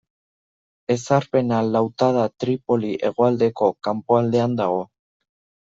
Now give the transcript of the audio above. Ezarpena lautada Tripoli hegoaldeko kanpoaldean dago.